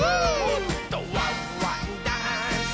「もっと」「ワンワンダンス！」